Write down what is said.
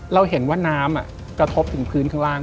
เราเห็นว่าน้ำกระทบถึงพื้นข้างล่าง